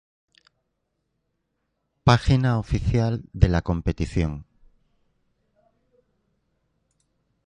Página oficial de la competición